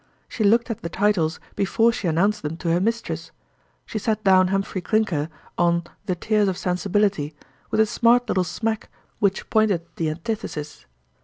She looked at the titles before she announced them to her mistress; she set down "Humphrey Clinker" on "The Tears of Sensibility" with a smart little smack which pointed the antithesis.